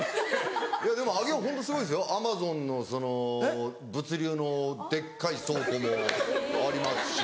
でも上尾ホントすごいんですよアマゾンのその物流のデッカい倉庫もありますし。